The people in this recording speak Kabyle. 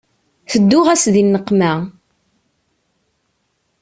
Tedduɣ-as di nneqma.